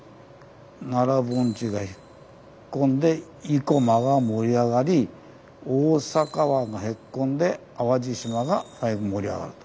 奈良盆地が引っ込んで生駒は盛り上がり大阪湾がへっこんで淡路島が盛り上がると。